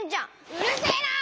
うるせえな！